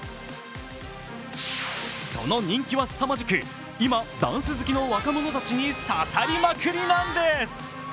その人気はすさまじく、今、ダンス好きの若者たちに刺さりまくりなんです。